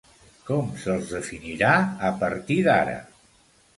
Com se'ls definirà, a partir d'ara?